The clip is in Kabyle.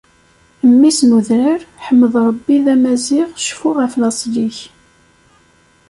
Mmi-s n udrar ḥmed Ṛebbi d Amaziɣ cfu ɣef laṣel-ik.